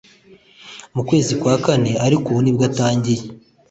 mu kwezi kwa kane, ariko ubu nibwo atangiye